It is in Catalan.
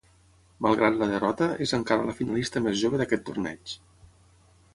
Malgrat la derrota, és encara la finalista més jove d'aquest torneig.